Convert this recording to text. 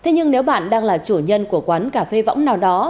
thế nhưng nếu bạn đang là chủ nhân của quán cà phê võng nào đó